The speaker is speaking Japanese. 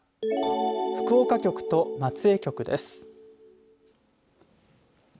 福岡局と松江局です。